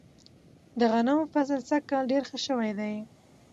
د غنمو فصل سږ کال ډیر ښه شوی دی.